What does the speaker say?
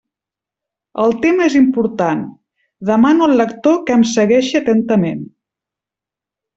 El tema és important; demano al lector que em segueixi atentament.